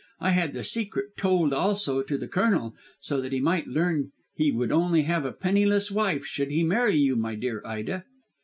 I had the secret told also to the Colonel so that he might learn he would only have a penniless wife should he marry you, my dear Ida."